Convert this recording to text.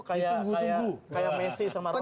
kayak messi sama ronaldo